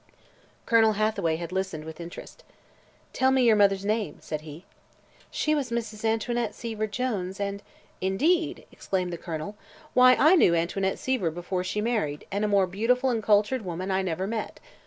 Colonel Hathaway had listened with interest. "Tell me your mother's name," said he. "She was Mrs. Antoinette Seaver Jones, and " "Indeed!" exclaimed the Colonel. "Why, I knew Antoinette Seaver before she married, and a more beautiful and cultured woman I never met.